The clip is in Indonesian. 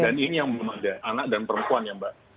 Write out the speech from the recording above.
dan ini yang belum ada anak dan perempuan ya mbak